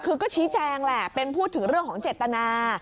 คือก็ชี้แจงแหละเป็นพูดถึงเรื่องของเจตนา